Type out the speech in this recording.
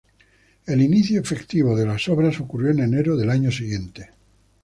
El inicio efectivo de las obras ocurrió en enero del año siguiente.